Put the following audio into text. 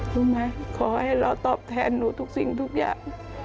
รู้ไหมขอให้เราตอบแทนหนูทุกสิ่งทุกอย่าง